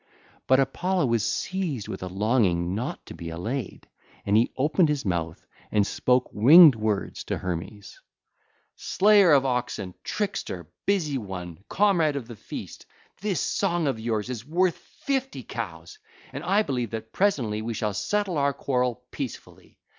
But Apollo was seized with a longing not to be allayed, and he opened his mouth and spoke winged words to Hermes: (ll. 436 462) 'Slayer of oxen, trickster, busy one, comrade of the feast, this song of yours is worth fifty cows, and I believe that presently we shall settle our quarrel peacefully.